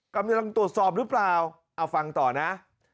กำลังตรวจสอบหรือเปล่าเอาฟังต่อนะ